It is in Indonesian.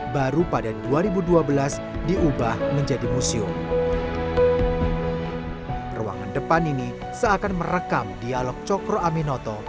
seribu sembilan ratus enam puluh enam baru pada dua ribu dua belas diubah menjadi museum ruangan depan ini seakan merekam dialog cokro aminoto